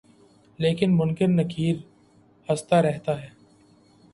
لیکن منکر نکیر ہستہ رہتا ہے